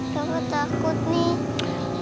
kenapa takut nih